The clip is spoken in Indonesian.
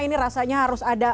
ini rasanya harus ada